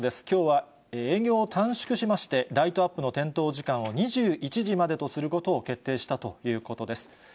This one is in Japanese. きょうは営業を短縮しまして、ライトアップの点灯時間を２１時までとすることを決定したということです。